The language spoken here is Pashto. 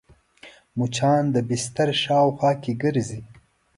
مچان د بستر شاوخوا ګرځي